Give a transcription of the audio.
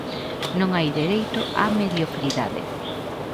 Non hai dereito á mediocridade.